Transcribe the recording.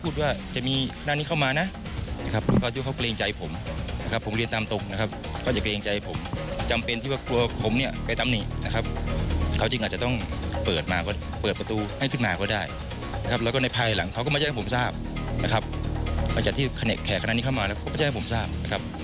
ท่านไม่ได้มาเป็น๑๐ปีแล้วครับ